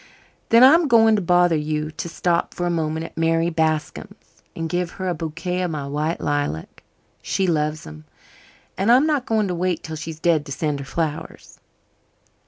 "Then I'm going to bother you to stop for a moment at Mary Bascom's and give her a bouquet of my white lilacs. She loves 'em and I'm not going to wait till she's dead to send her flowers."